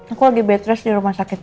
aku lagi rest di rumah sakit pak